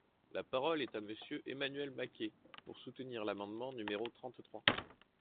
La parole est à Monsieur Emmanuel Maquet, pour soutenir l’amendement numéro trente-trois.